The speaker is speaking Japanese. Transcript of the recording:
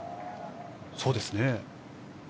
そうですね。